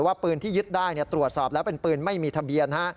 ปืนที่ยึดได้ตรวจสอบแล้วเป็นปืนไม่มีทะเบียน